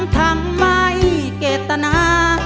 ทั้งไม่เกตนา